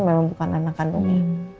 memang bukan anak kandungnya